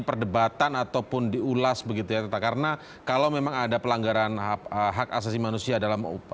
perdebatan ataupun diulas begitu ya tetap karena kalau memang ada pelanggaran hak asasi manusia dalam